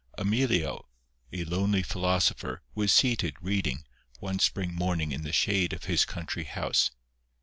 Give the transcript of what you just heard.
Amelio, a lonely philosopher, was seated, reading, one spring morning in the shade of his country house.